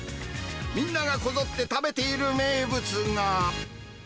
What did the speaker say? みんながこぞって食べている名物が。